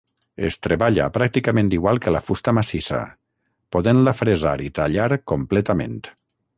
Es treballa pràcticament igual que la fusta massissa, podent-la fresar i tallar completament.